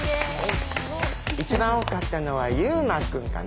一番多かったのは悠真くんかな？